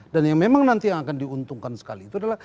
dan yang memang nanti yang akan diuntungkan sekali itu adalah